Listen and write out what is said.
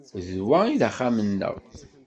D wa i d axxam-nneɣ.